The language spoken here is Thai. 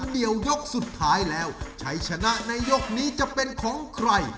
เดี๋ยวยกสุดท้ายแล้วชัยชนะในยกนี้จะเป็นของใคร